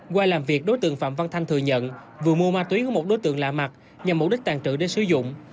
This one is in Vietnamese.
qua làm việc đối tượng phạm văn thanh thừa nhận vừa mua ma túy của một đối tượng lạ mặt nhằm mục đích tàn trữ để sử dụng